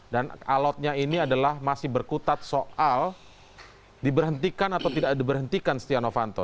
dan alotnya ini adalah masih berkutat soal diberhentikan atau tidak diberhentikan setia novanto